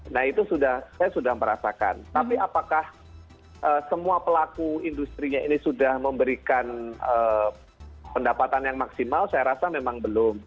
nah itu sudah saya sudah merasakan tapi apakah semua pelaku industri ini sudah memberikan pendapatan yang maksimal saya rasa memang belum